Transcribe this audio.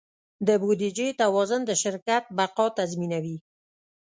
د بودیجې توازن د شرکت بقا تضمینوي.